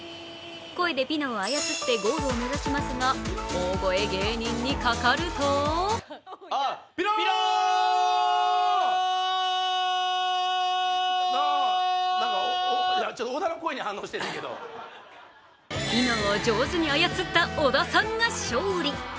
声でピノを操ってゴールを目指しますが大声芸人にかかるとピノを上手に操った小田さんが勝利。